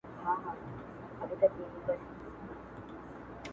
• هغه ګوتي په اور سوځي چي قلم یې چلولی -